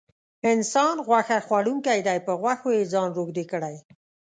انسان غوښه خوړونکی دی په غوښو یې ځان روږدی کړی.